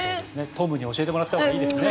トムに教えてもらったほうがいいですね。